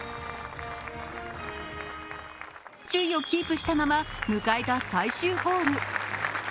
首位をキープしたまま迎えた最終ホール。